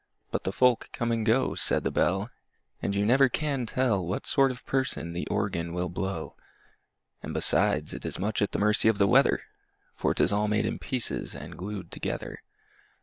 But the folk come and go, Said the Bell, And you never can tell What sort of person the Organ will blow! And, besides, it is much at the mercy of the weather For 'tis all made in pieces and glued together!